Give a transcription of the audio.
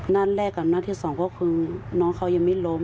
นัดแรกกับนัดที่สองก็คือน้องเขายังไม่ล้ม